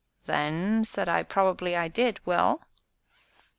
"Then," said I, "probably I did. Well?"